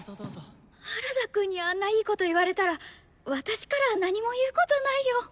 原田くんにあんないいこと言われたら私からは何も言うことないよ。